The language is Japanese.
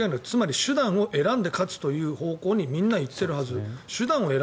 つまり手段を選んで勝つという方向にみんな言ってるはず。